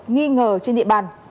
nghi ngờ trên địa bàn